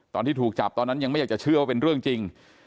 ตอนที่ถูกจับตอนนั้นยังไม่อยากจะเชื่อว่าเป็นเรื่องจริง